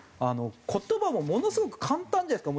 言葉もものすごく簡単じゃないですか。